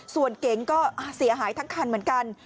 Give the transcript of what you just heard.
ส่วนเก๋งก็เสียหายทั้งคันเหมือนกัน